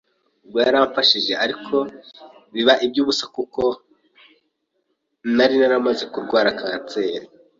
ubwo yaramfashije ariko biba iby’ubusa kuko nari naramaze kurwara kanseri